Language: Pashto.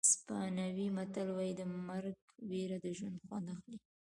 اسپانوي متل وایي د مرګ وېره د ژوند خوند اخلي.